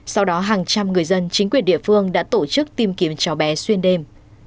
sau đó hàng trăm người dân chính quyền địa phương đã tổ chức tìm kiếm cháu bé xuyên đêm